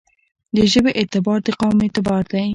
د ژبې اعتبار دقوم اعتبار دی.